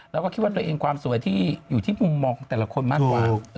แล้วก็คิดว่าตัวเองความสวยที่อยู่ที่มุมมองของแต่ละคนมากกว่า